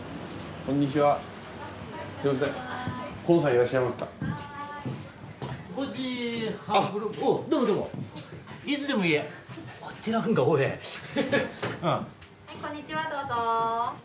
こんにちはどうぞ。